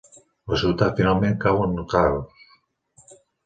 La ciutat finalment cau en el caos.